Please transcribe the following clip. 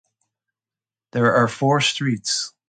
There are four streets.